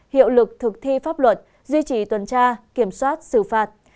hiệu lực thực thi pháp luật duy trì tuần tra kiểm soát xử phạt